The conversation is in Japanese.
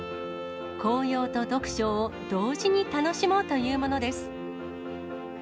紅葉と読書を同時に楽しもうというものです。